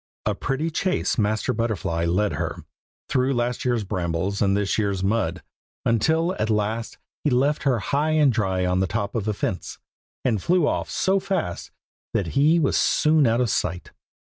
A pretty chase Master Butterfly led her, through last year's brambles and this year's mud, until at last he left her high and dry on the top of a fence, and flew off so fast that he was soon out of sight.